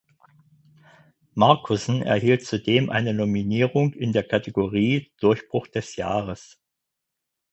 Markussen erhielt zudem eine Nominierung in der Kategorie „Durchbruch des Jahres“.